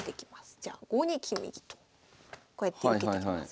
じゃあ５二金右とこうやって受けてきます。